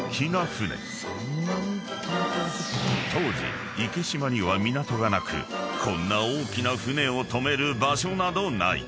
［当時池島には港がなくこんな大きな船を止める場所などない］